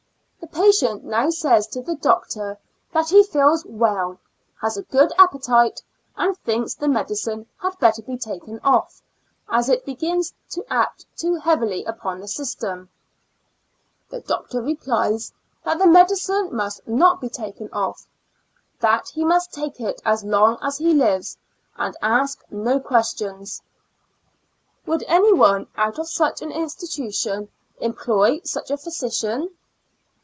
The IN A L UNA TIC ASTL U3I. 3 7 patient now says to the doctor, that he feels well, has a good appetite, and thinks the medicine had better be taken off, as it begins to act too heavily upon the system. The doctor replies, " that the medicine must not be taken off ; that he must take it as long as he lives, and ask no questions.'' Would any one, out of such an institution, employ such a physician